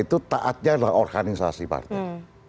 itu taatnya adalah organisasi partai